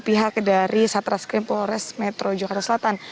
pihak dari satreskrim polres metro jakarta selatan